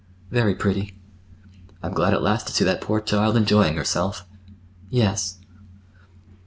"Very pretty." "I'm glad at last to see that poor child enjoying herself." "Yes."